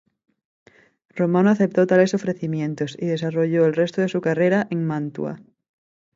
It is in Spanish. Romano aceptó tales ofrecimientos, y desarrolló el resto de su carrera en Mantua.